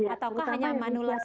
ataukah hanya manula saja